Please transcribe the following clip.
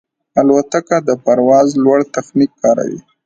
الوتکه د پرواز لوړ تخنیک کاروي.